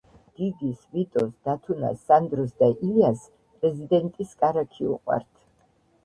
გიგის, ვიტოს, დათუნას, სანდროს და ილიას პრეზიდენტის კარაქი უყვართ